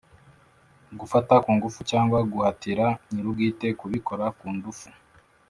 gufata ku ngufu cyangwa guhatira nyirubwite kubikora kundufu